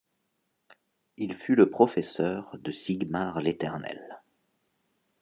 Il fut le professeur de Sigmar l'Éternel.